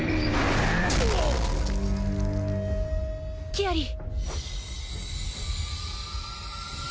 キアリー。